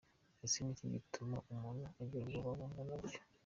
Ese ni iki gituma umuntu agira ubwoba bungana gutyo?.